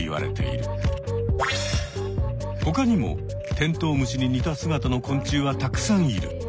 ほかにもテントウムシに似た姿の昆虫はたくさんいる。